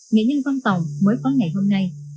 nghệ nhân văn tòng mới có ngày hôm nay